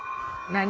何？